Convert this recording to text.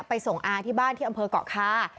ส่งอาที่บ้านที่อำเภอกเกาะคา